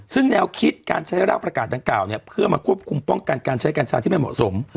ซึ่งแนวคิดการใช้รากประกาศดังกล่าวเนี่ยเพื่อมาควบคุมป้องกันการใช้กัญชาที่ไม่เหมาะสม